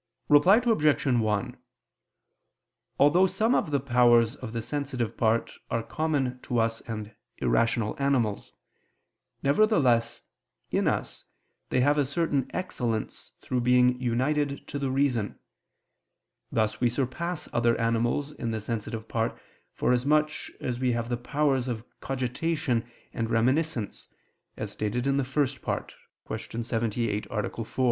Reply Obj. 1: Although some of the powers of the sensitive part are common to us and irrational animals, nevertheless, in us, they have a certain excellence through being united to the reason; thus we surpass other animals in the sensitive part for as much as we have the powers of cogitation and reminiscence, as stated in the First Part (Q. 78, A. 4).